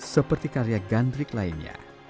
seperti karya gantrik lainnya